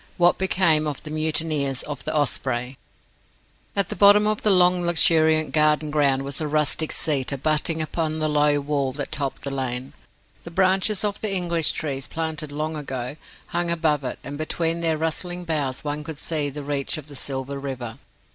WHAT BECAME OF THE MUTINEERS OF THE "OSPREY" At the bottom of the long luxuriant garden ground was a rustic seat abutting upon the low wall that topped the lane. The branches of the English trees (planted long ago) hung above it, and between their rustling boughs one could see the reach of the silver river.